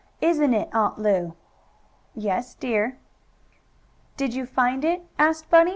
"Isn't it, Aunt Lu?" "Yes, dear." "Did you find it?" asked Bunny.